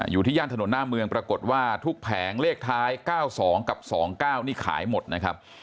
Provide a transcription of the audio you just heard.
ย่านถนนหน้าเมืองปรากฏว่าทุกแผงเลขท้าย๙๒กับ๒๙นี่ขายหมดนะครับ